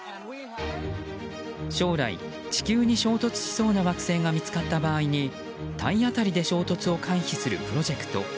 将来、地球に衝突しそうな惑星が見つかった場合に体当たりで衝突を回避するプロジェクト。